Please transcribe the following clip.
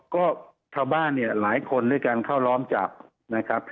ก็ชาวบ้านเนี่ยหลายคนด้วยการเข้าล้อมจับนะครับ